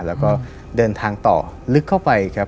แล้วก็เดินทางต่อลึกเข้าไปครับ